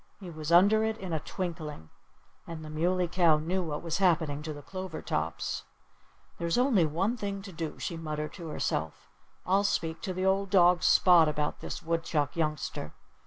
He was under it in a twinkling. And the Muley Cow knew what was happening to the clover tops. "There's only one thing to do," she muttered to herself. "I'll speak to old dog Spot about this Woodchuck youngster."